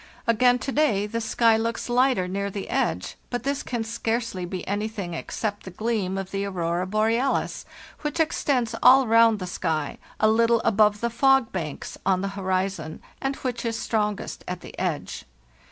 Again to day the sky looks light er near the edge, but this can scarcely be anything ex cept the gleam of the aurora borealis, which extends all round the sky, a little above the fog banks on the horizon, and which is strongest at the edge.